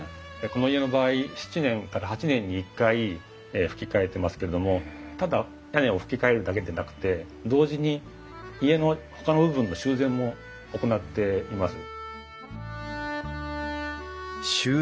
この家の場合７年から８年に一回ふき替えてますけれどもただ屋根をふき替えるだけでなくて同時に家のほかの部分の修繕も行っています。